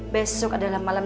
besok adalah malam